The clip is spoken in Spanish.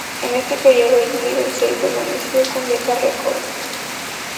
En este período, Jimmy Dorsey permaneció con Decca Records.